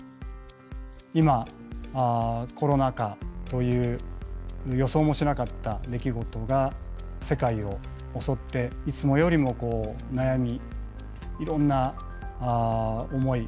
今コロナ禍という予想もしなかった出来事が世界を襲っていつもよりもこう悩みいろんな思い